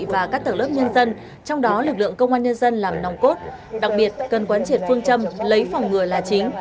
và các tầng lớp nhân dân trong đó lực lượng công an nhân dân làm nòng cốt đặc biệt cần quán triệt phương châm lấy phòng ngừa là chính